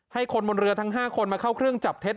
ให้คนบนเรือทั้ง๕คนมาเข้าเครื่องจับเท็จ